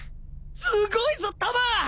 すごいぞたま！